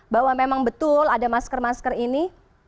bahwa memang betul ada masker masker ini